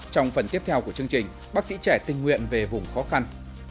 trong phần tiếp theo của chương trình bác sĩ trẻ tinh nguyện về vùng khó khăn